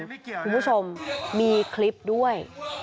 คุณผู้ชมมีคลิปด้วย